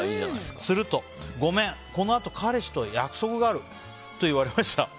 すると、ごめんこのあと彼氏と約束があると言われました。